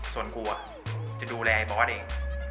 ส่วนกูอ่ะจะดูแลไอบอทเอง